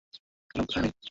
খারাপ কোথায় নেই?